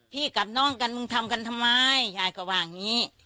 พี่กับน้องมึงทำกันทำไมแบบนี้อย่างงี้